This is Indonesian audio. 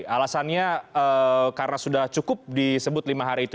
alasannya karena sudah cukup disebut lima hari itu